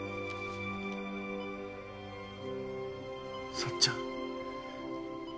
さっちゃん。